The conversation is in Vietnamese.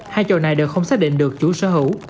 hai trò này đều không xác định được chủ sở hữu